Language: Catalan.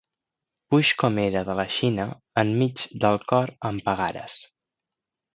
Puix com era de la Xina enmig del cor em pegares.